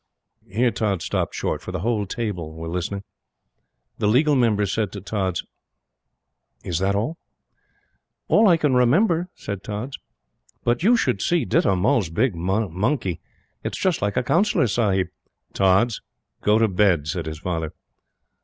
Here Tods stopped short, for the whole table were listening. The Legal Member said to Tods: "Is that all?" "All I can remember," said Tods. "But you should see Ditta Mull's big monkey. It's just like a Councillor Sahib." "Tods! Go to bed," said his father.